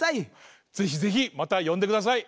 ぜひぜひまたよんでください！